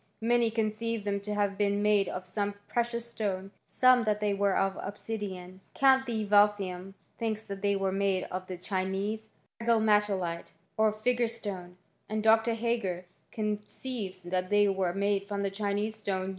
Many conceive them to have been made of some precious stone, some that they were of obsidian ; Count de Veltheim thinks that they were made of the Chinese agalmatolite^ or Jigure stone ; and Dr. Hager conceives that they were made fi'om the Chinese stone yu.